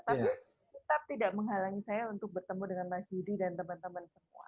tapi tetap tidak menghalangi saya untuk bertemu dengan mas yudi dan teman teman semua